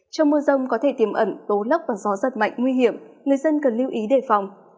trong mưa rông có thể tiềm ẩn tố lốc và gió giật mạnh nguy hiểm người dân cần lưu ý đề phòng